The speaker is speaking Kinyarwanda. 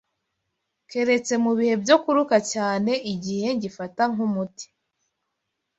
keretse mu bihe byo kuruka cyane igihe ngifata nk’umuti